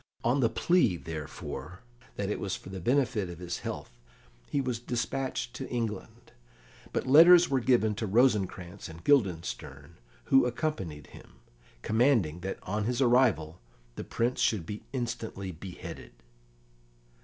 On the plea, therefore, that it was for the benefit of his health, he was despatched to England, but letters were given to Rosencrantz and Guildenstern, who accompanied him, commanding that on his arrival the Prince should be instantly beheaded.